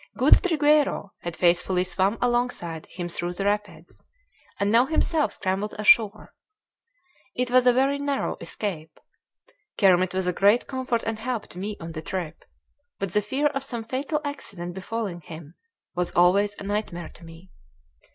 Good Trigueiro had faithfully swum alongside him through the rapids, and now himself scrambled ashore. It was a very narrow escape. Kermit was a great comfort and help to me on the trip; but the fear of some fatal accident befalling him was always a nightmare to me.